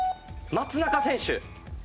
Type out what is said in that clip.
松中選手。